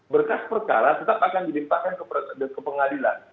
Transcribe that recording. berkas perkara tetap akan dilimpahkan ke pengadilan